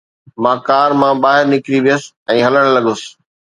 مان ڪار مان ٻاهر نڪري ويس ۽ هلڻ لڳس.